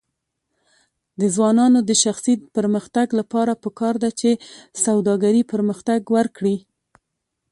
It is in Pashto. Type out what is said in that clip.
د ځوانانو د شخصي پرمختګ لپاره پکار ده چې سوداګري پرمختګ ورکړي.